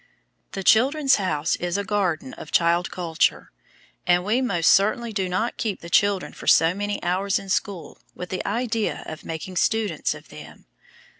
The "Children's House" is a garden of child culture, and we most certainly do not keep the children for so many hours in school with the idea of making students of them!